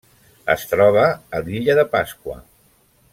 Es troba a l'illa de Pasqua.